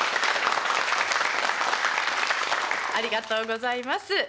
ありがとうございます。